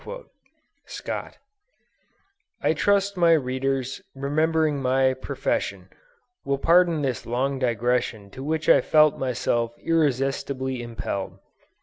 Scott. I trust my readers, remembering my profession, will pardon this long digression to which I felt myself irresistibly impelled.